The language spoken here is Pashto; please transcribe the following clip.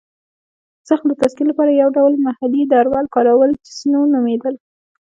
د زخم د تسکین لپاره یې یو ډول محلي درمل کارول چې سنو نومېدل.